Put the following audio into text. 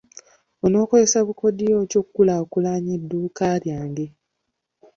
Onookozesa bukodyo ki okukulaakulanya edduuka lyange.